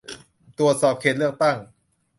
ตรวจสอบเขตเลือกตั้ง